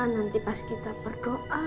nanti pas kita berdoa